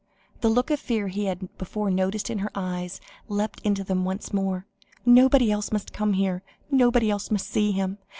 the look of fear he had before noticed in her eyes, leapt into them once more "nobody else must come here, nobody else must see him.